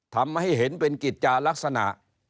ทำให้เห็นเป็นกิจจารักษณะ